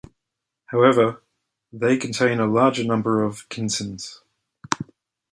However, they contain a larger number of different kinesins.